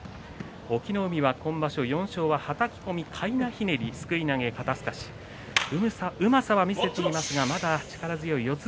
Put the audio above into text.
隠岐の海は今場所４勝ははたき込み、かいなひねりすくい投げ、肩すかしうまさは見せていますがまだ力強い四つ